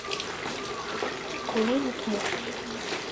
Коленыт мо?